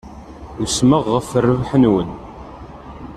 Usmeɣ ɣef rrbeḥ-nwen.